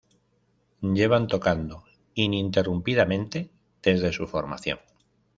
Llevan tocando ininterrumpidamente desde su formación.